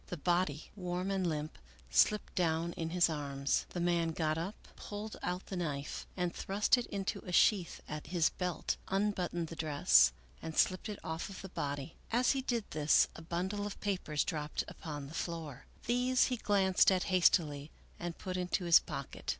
The body, warm and limp, slipped down in his arms. The man got up, pulled out the knife, and thrust it into a sheath at his belt, unbuttoned the dress, and slipped it off of the body. As he did this a bundle of papers dropped upon the floor ; these he glanced at hastily and put into his pocket.